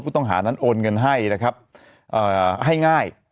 ผู้ต้องหานั้นโอนเงินให้นะครับให้ง่าย